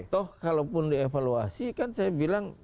toh kalaupun dievaluasi kan saya bilang